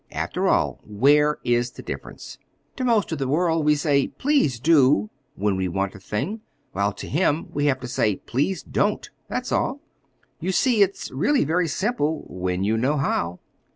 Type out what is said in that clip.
After all, where is the difference? To most of the world we say, 'Please do,' when we want a thing, while to him we have to say, 'Please don't.' That's all. You see, it's really very simple—when you know how."